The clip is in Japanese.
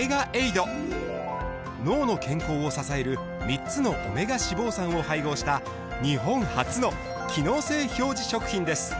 脳の健康を支える３つのオメガ脂肪酸を配合した日本初の機能性表示食品です